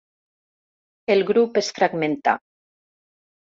El grup es fragmentà.